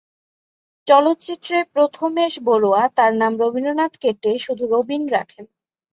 চলচ্চিত্রে প্রমথেশ বড়ুয়া তার নাম ‘রবীন্দ্রনাথ’ কেটে শুধু "রবীন" রাখেন।